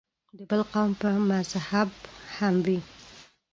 د بل قوم یا مذهب هم وي.